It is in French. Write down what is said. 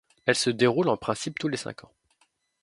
Elle se déroule en principe tous les cinq ans.